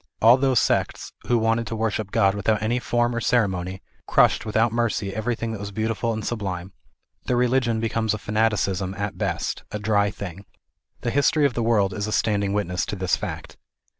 All those sects who wanted to wor ship God without any form or ceremony, crushed without mercy everything that was beautiful and sublime. Their religion becomes a fanaticism at best, a dry thing. The history of the world is a standing witness to this fact.